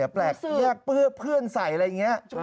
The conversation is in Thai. แปลกฝืนใส่อะไรอย่างนี้